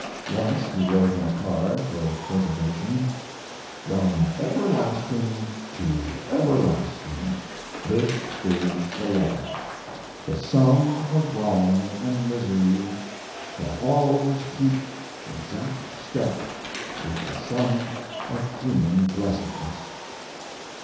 Once he wrote on a card for preservation: From everlasting to everlasting, this is the law: the sum of wrong & misery shall always keep exact step with the sum of human blessedness.